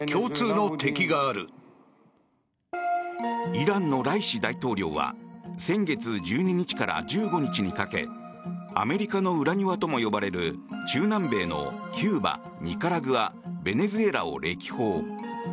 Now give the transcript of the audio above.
イランのライシ大統領は先月１２日から１５日にかけアメリカの裏庭とも呼ばれる中南米のキューバ、ニカラグアベネズエラを歴訪。